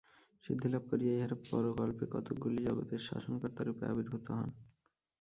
সিদ্ধিলাভ করিয়া ইঁহারা পরকল্পে কতকগুলি জগতের শাসনকর্তারূপে আবির্ভূত হন।